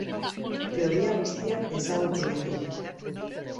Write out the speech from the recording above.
Teoria guztiak ezagutu ditu.